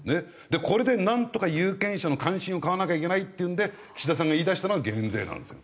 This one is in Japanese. これでなんとか有権者の関心を買わなきゃいけないっていうんで岸田さんが言い出したのが減税なんですよ。